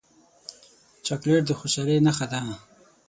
چاکلېټ د خوشحالۍ نښه ده.